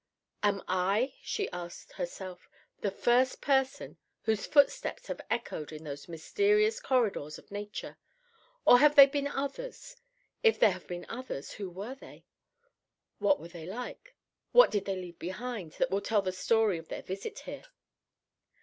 "Am I," she asked herself, "the first person whose footsteps have echoed in those mysterious corridors of nature, or have there been others? If there have been others, who were they? What were they like? What did they leave behind that will tell the story of their visit here?"